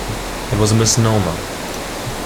It was a misnomer.